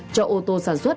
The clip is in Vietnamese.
cho ô tô sản xuất